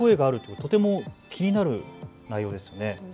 とても気になる内容ですね。